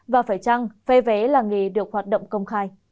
và phải chăng vé vé là nghề được hoạt động công khai